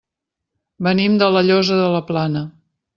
Venim de La Llosa de la Plana.